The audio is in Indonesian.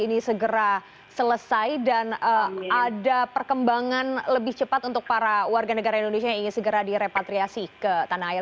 ini segera selesai dan ada perkembangan lebih cepat untuk para warga negara indonesia yang ingin segera direpatriasi ke tanah air